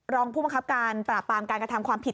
รองผู้บังคับการปราบปรามการกระทำความผิด